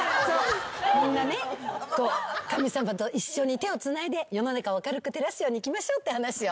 みんなね神様と一緒に手をつないで世の中を明るく照らすようにいきましょうって話よ。